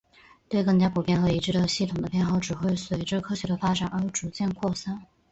对更加普遍和一致的系统的偏好只会随着科学的发展而逐渐扩散。